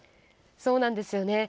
そうなんですよね。